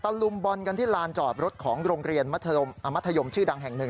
ลุมบอลกันที่ลานจอดรถของโรงเรียนมัธยมัธยมชื่อดังแห่งหนึ่ง